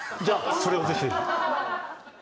じゃあそれをぜひ。